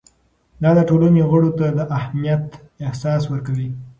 دا د ټولنې غړو ته د اهمیت احساس ورکوي.